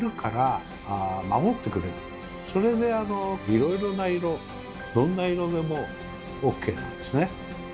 それでいろいろな色どんな色でもＯＫなんですね。